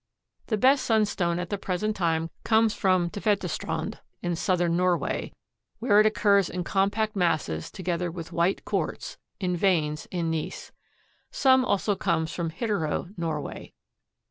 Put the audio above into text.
The best sunstone at the present time comes from Tvedestrand, in southern Norway, where it occurs in compact masses together with white quartz, in veins, in gneiss. Some also comes from Hittero, Norway.